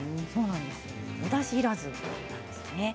おだしいらずなんですね。